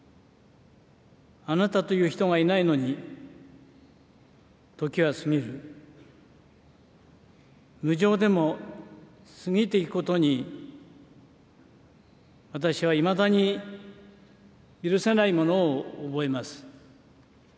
あなたという人がいないのに、時は過ぎる、無情でも過ぎていくことに私はいまだに許せないものを覚えます。